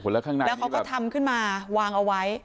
แล้วเขาก็ทำขึ้นมาวางเอาไว้